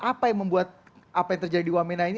apa yang membuat apa yang terjadi di wamena ini